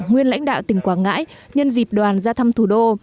nguyên lãnh đạo tỉnh quảng ngãi nhân dịp đoàn ra thăm thủ đô